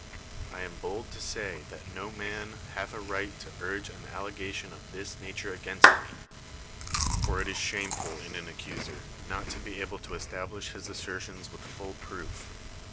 1 aTii l)ohl 1o say that no man nath a right to urge an allegation of this nanire against ]iie; THE WORLD'S FAMOUS ORATIONS for it is shameful in an accuser not to be able to establish his assertions with full proof.